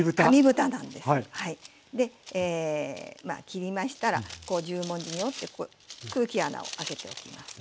切りましたらこう十文字に折ってここ空気穴を開けておきます。